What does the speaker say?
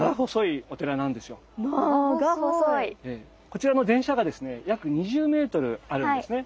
こちらの電車がですね約２０ｍあるんですね。